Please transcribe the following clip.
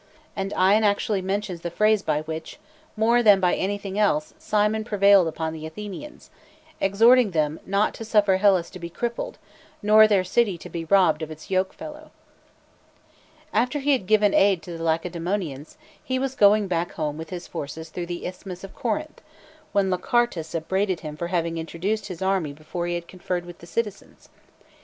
And Ion. actually mentions. the phrase by which, more than by anything else, Cimon prevailed upon the Athenians, exhorting them "not to suffer Hellas to be crippled, nor their city to be robbed of its yoke fellow. @smo 4H XVII. After he had, given aid. to the Lacedaemo nians, he was going back home with his forces through the Isthmus of Corinth, when Lachartus upbraided him for having introduced his army before he had conferred with the citizens.